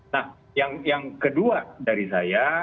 nah yang kedua dari saya